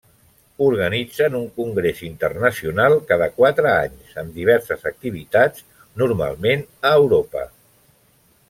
Organitzen un congrés internacional cada quatre anys amb diverses activitats, normalment a Europa.